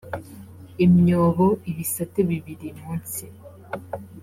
imyobo ibisate bibiri munsi